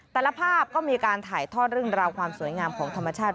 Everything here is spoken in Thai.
แต่ละภาพก็มีการถ่ายทอดเรื่องราวความสวยงามของธรรมชาติ